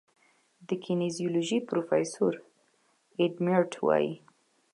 د کینیزیولوژي پروفیسور ایډ میرټ وايي